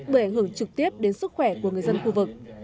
bởi ảnh hưởng trực tiếp đến sức khỏe của người dân khu vực